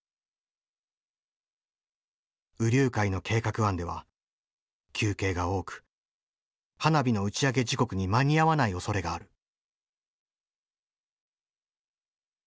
兎龍会の計画案では休憩が多く花火の打ち上げ時刻に間に合わないおそれがある。